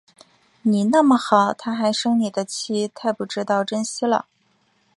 你那么好，她还生你的气，太不知道珍惜了